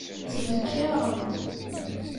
Ttbekkiṛen-d.